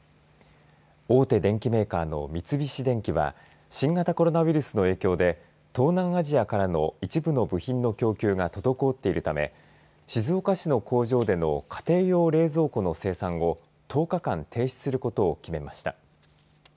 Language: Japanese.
大手電機メーカーの三菱電機は新型コロナウイルスの影響で東南アジアからの一部の部品の供給が滞っているため静岡市の工場での家庭用冷蔵庫の生産を１０日間停止することを決めました。